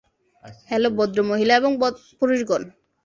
Hello, ভদ্রমহিলা এবং পুরুষগণ!